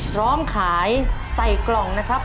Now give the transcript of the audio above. พร้อมขายใส่กล่องนะครับ